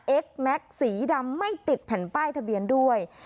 เอ็กซ์แม็กซ์สีดำไม่ติดแผ่นป้ายทะเบียนด้วย